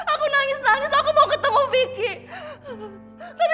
aku nangis nangis aku mau ketemu vicky